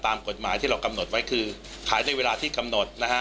ตามกฎหมายที่เรากำหนดไว้คือขายในเวลาที่กำหนดนะฮะ